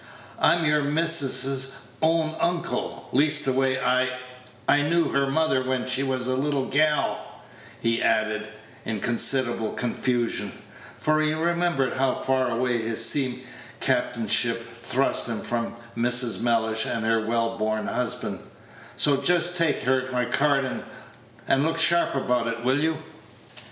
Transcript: "I'm your missus's own uncle; leastways I I knew her mother when she was a little gal," he added, in considerable confusion; for he remembered how far away his sea captainship thrust him from Mrs. Mellish and her well born husband; "so just take her my card, and look sharp about it, will you?"